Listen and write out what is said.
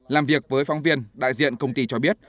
làm việc với phóng viên đại diện công ty cho biết